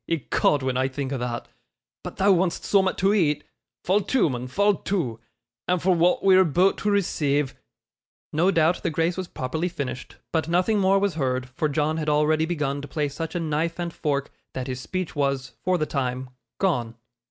Ecod, when I think o' thot but thou want'st soom'at to eat. Fall to, mun, fall to, and for wa'at we're aboot to receive ' No doubt the grace was properly finished, but nothing more was heard, for John had already begun to play such a knife and fork, that his speech was, for the time, gone.